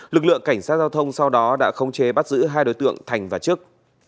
lực lượng cảnh sát giao thông sau đó đã khống chế bắt giữ hai đối tượng thành và trức